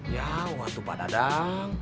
ya waktu pak dadang